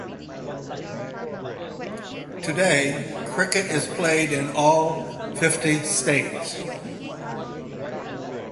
Today cricket is played in all fifty states.